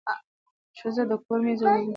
ښځه د کور مېزونه او څوکۍ سم کړل